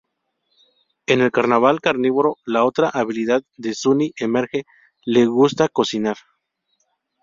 En El carnaval carnívoro la otra habilidad de Sunny emerge; le gusta cocinar.